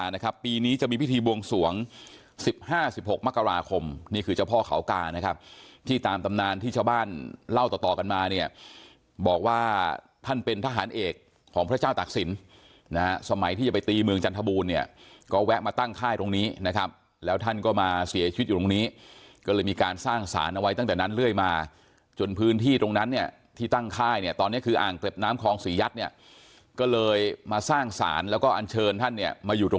นะครับปีนี้จะมีพิธีบวงสวงสิบห้าสิบหกมกราคมนี่คือเจ้าพ่อเขากานะครับที่ตามตำนานที่ชาวบ้านเล่าต่อต่อกันมาเนี่ยบอกว่าท่านเป็นทหารเอกของพระเจ้าตักศิลป์นะฮะสมัยที่จะไปตีเมืองจันทบูรณ์เนี่ยก็แวะมาตั้งค่ายตรงนี้นะครับแล้วท่านก็มาเสียชีวิตอยู่ตรงนี้ก็เลยมีการสร้างศาลเอาไว้ต